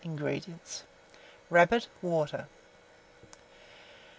INGREDIENTS. Rabbit; water.